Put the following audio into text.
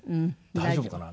大丈夫かな？